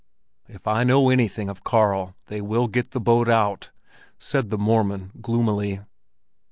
"If I know anything of Karl, they will get the boat out!" said "the Mormon" gloomily.